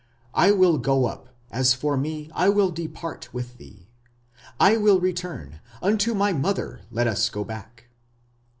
I will go up, as for me I will depart with thee ...... I will return, unto my mother let us go back.